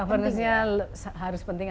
governance nya harus penting